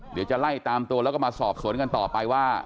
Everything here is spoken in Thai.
เดี๋ยวจะไล่ตามตัวแล้วก็มาสอบสวนกันต่อไปว่า